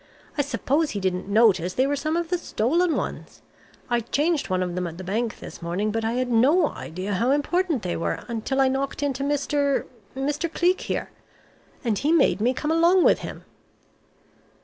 I suppose he didn't notice they were some of the stolen ones. I changed one of them at the bank this morning, but I had no idea how important they were until I knocked into Mr. Mr. Cleek here. And he made me come along with him."